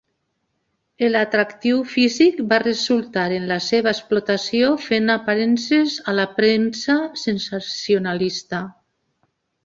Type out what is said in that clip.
El atractiu físic va resultar en la seva explotació fent aparences a la premsa sensacionalista.